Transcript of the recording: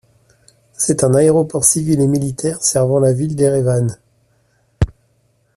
C'est un aéroport civil et militaire servant la ville d'Erevan.